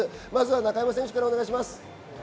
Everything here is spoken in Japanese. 中山選手からお願いします。